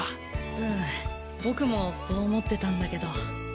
うん僕もそう思ってたんだけど。